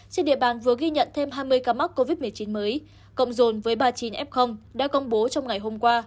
trên địa bàn vừa ghi nhận thêm hai mươi ca mắc covid một mươi chín mới cộng dồn với ba mươi chín f đã công bố trong ngày hôm qua